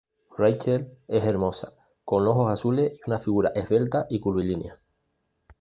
Rachel es hermosa, con ojos azules y una figura esbelta y curvilínea.